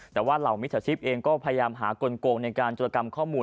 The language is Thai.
แต่ว่าเหล่ามิจฉาชีพเองก็พยายามหากลงในการจุรกรรมข้อมูล